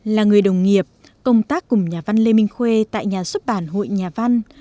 là người đồng nghiệp công tác cùng nhà văn lê minh khuê tại nhà xuất bản hội nhà văn